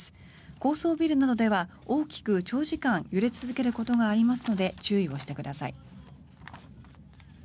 高層ビルなどでは大きく長時間揺れ続けることがありますので注意をしてください。